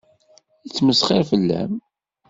Yettmesxiṛ fell-am.